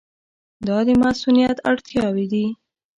دا د مصونیت اړتیاوې دي.